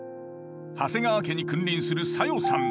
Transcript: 長谷川家に君臨する小夜さん。